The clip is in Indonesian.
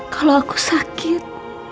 kalau aku sakit